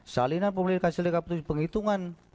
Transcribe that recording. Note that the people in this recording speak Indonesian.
dua salinan formulir kapitulasi penghitungan